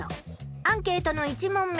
アンケートの１問目。